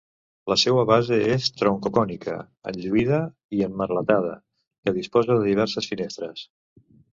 La seua base és troncocònica, enlluïda i emmerletada, que disposa de diverses finestres.